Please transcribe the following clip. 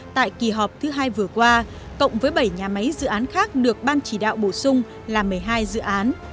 tại kỳ họp thứ hai vừa qua cộng với bảy nhà máy dự án khác được ban chỉ đạo bổ sung là một mươi hai dự án